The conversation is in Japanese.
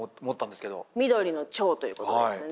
緑の「腸」ということですね。